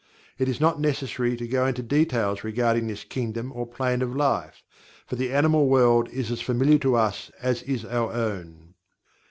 It is not necessary to go into details regarding this kingdom or plane of life, for the animal world is as familiar to us as is our own.